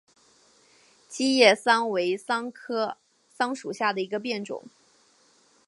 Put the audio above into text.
戟叶桑为桑科桑属下的一个变种。